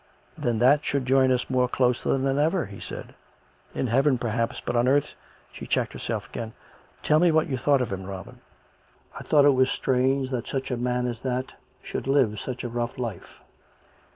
" Then that should join us more closely than ever," he said. " In Heaven, perhaps, but on earth " She checked herself again. " Tell me what you thought of him, Robin." " I thought it was strange that such a man as that should live such a rough life.